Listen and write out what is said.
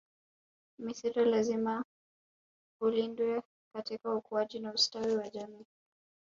Msitu lazima ulindwe katika ukuaji na ustawi wa jamii